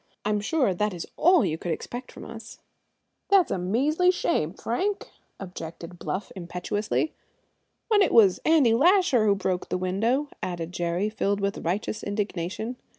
I'm sure that is all you could expect from us." "That's a measly shame, Frank!" objected Bluff impetuously. "When it was Andy Lasher who broke the window," added Jerry, filled with righteous indignation.